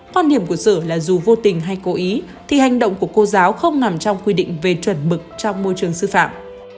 quan điểm của sở là dù vô tình hay cố ý thì hành động của cô giáo không nằm trong quy định về chuẩn mực trong môi trường sư phạm